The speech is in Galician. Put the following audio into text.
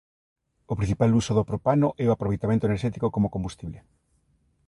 O principal uso do propano é o aproveitamento enerxético como combustible.